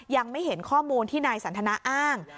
ยังไม่เห็นข้อมูลที่นายสันทนาอ้าง